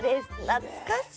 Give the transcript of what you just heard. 懐かしい。